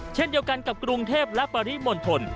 เช่นเดียวกันกับกรุงเทพและปริมณฑล